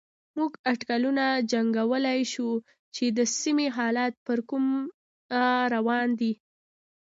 موږ اټکلونه جنګولای شو چې د سيمې حالات پر کومه روان دي.